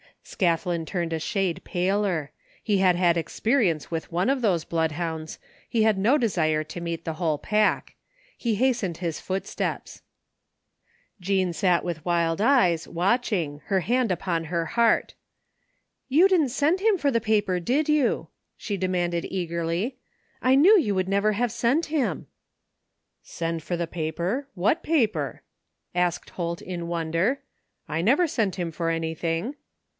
Scathlin turned a shade paler. He had had experi ence with one of those bloodhounds. He had no desire to meet the whole pack. He hastened his footsteps. 181 THE FINDING OF JASPER HOLT Jean sat with wild eyes watching, her hand upon her heart. " You didn't send him for the paper, did you ?" she demanded eagerly. " I knew you would never have sent him." " Send for the paper, what paper? " asked Holt in wonder. " I never sent him for anything."